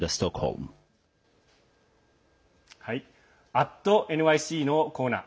「＠ｎｙｃ」のコーナー